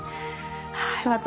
はい。